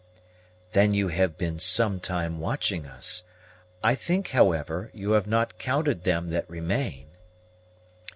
"Then you have been some time watching us: I think, however, you have not counted them that remain."